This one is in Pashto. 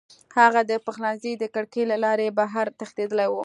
هغه د پخلنځي د کړکۍ له لارې بهر تښتېدلی و